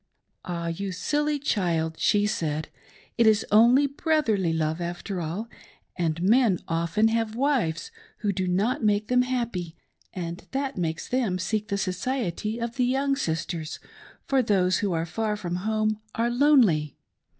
" Ah, you silly child," she said, " it is only brotherly love, after all, and men often have wives who do not make them happy and that makes them seek the society of the young sisters, for those who are far from home are lonely.